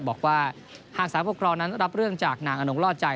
บอกว่าหากสารปกครองนั้นรับเรื่องจากนางอนงล่อใจ